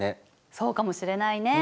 そうかもしれないね。